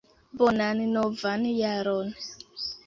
Bonan novan jaron!